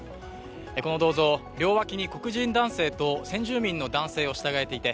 この銅像、両脇に黒人男性と先住民の男性を従えていて